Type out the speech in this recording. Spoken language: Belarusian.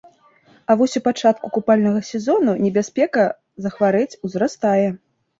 А вось у пачатку купальнага сезону небяспека захварэць узрастае.